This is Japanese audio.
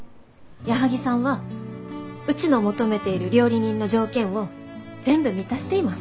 矢作さんはうちの求めている料理人の条件を全部満たしています。